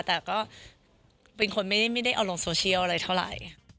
แต่ก็เป็นคนไม่ได้เอาลงโซเชียลอะไรเท่าไหร่